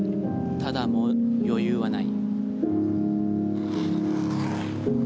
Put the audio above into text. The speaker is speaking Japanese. ただ、もう余裕はない。